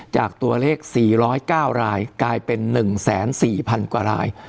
จากตัวเลข๔๐๙รายกลายเป็น๑๔๐๐๐กว่าราย